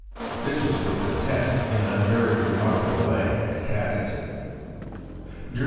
This was put to the test in a very remarkable way at Cadiz. V^ nm XT